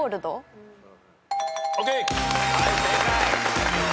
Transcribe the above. はい正解。